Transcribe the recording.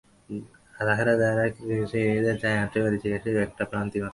তাহারা যাহা ক্রুশে বিদ্ধ করিয়াছিল, তাহা একটা ছায়ামাত্র, মরীচিকারূপ একটা ভ্রান্তিমাত্র।